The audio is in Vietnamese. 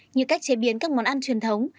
như cách chế biến các món ăn truyền thống